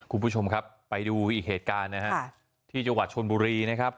คุณผู้ชมครับไปดูอีกเหตุการณ์นะฮะที่จังหวัดชนบุรีนะครับ